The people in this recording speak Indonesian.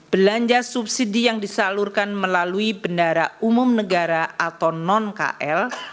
belanja subsidi yang disalurkan melalui bendara umum negara atau non kl